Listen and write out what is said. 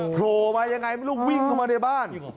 โผล่มายังไงไม่รู้วิ่งเข้ามาในบ้าน